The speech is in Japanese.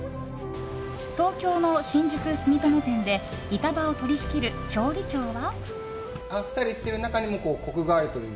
東京の新宿住友店で板場を取り仕切る調理長は。